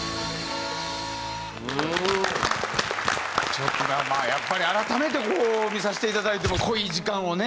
ちょっとまあやっぱり改めて見させていただいても濃い時間をね